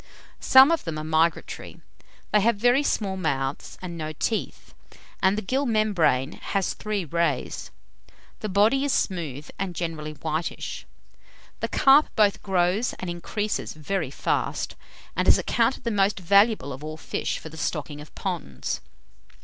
Some of them are migratory. They have very small mouths and no teeth, and the gill membrane has three rays. The body is smooth, and generally whitish. The carp both grows and increases very fast, and is accounted the most valuable of all fish for the stocking of ponds.